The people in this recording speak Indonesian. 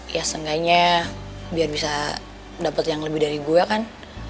ya seenggaknya biar bisa dapat yang lebih dari gue kan